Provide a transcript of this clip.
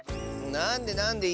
なんでなんで。